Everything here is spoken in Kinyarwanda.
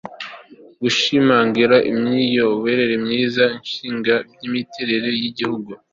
gushimangira imiyoborere myiza nk'ishingiro ry'iterambere ry'igihugu